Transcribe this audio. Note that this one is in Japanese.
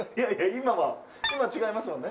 今違いますもんね？